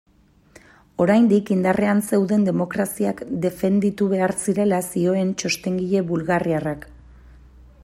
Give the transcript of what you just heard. Oraindik indarrean zeuden demokraziak defenditu behar zirela zioen txostengile bulgariarrak.